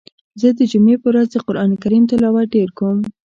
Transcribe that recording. زه د جمعی په ورځ د قرآن کریم تلاوت ډیر کوم.